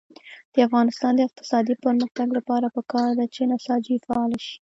د افغانستان د اقتصادي پرمختګ لپاره پکار ده چې نساجي فعاله شي.